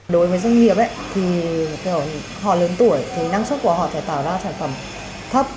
đối với doanh nghiệp họ lớn tuổi thì năng suất của họ thể tạo ra sản phẩm